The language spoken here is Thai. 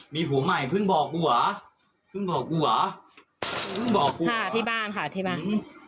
ที่บ้านค่ะที่บ้าน